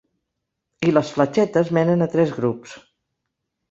I les fletxetes menen a tres grups.